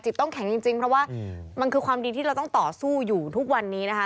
ต้องแข็งจริงเพราะว่ามันคือความดีที่เราต้องต่อสู้อยู่ทุกวันนี้นะคะ